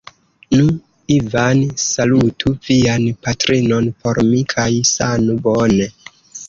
Nu Ivan; salutu vian patrinon por mi kaj sanu bone.